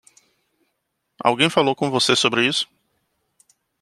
Alguém falou com você sobre isso?